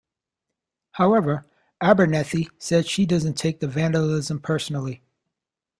However, Abernethy said she doesn't take the vandalism personally.